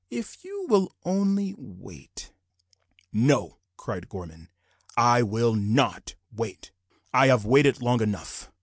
If you will only wait " "No," cried Gorman, "I'll not wait. I have waited long enough.